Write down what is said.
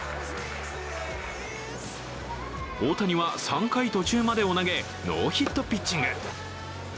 大谷は、３回途中までを投げ、ノーヒットピッチング。